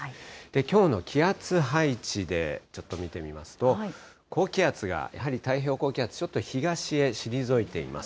きょうの気圧配置でちょっと見てみますと、高気圧が、やはり太平洋高気圧、ちょっと東へ退いています。